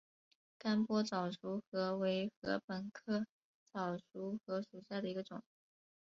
甘波早熟禾为禾本科早熟禾属下的一个种。